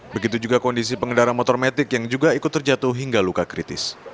begitu juga kondisi pengendara motor metik yang juga ikut terjatuh hingga luka kritis